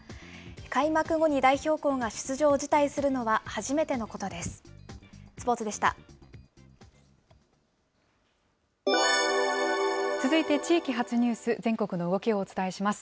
開幕後に代表校が出場を辞退するのは、初めてのことです。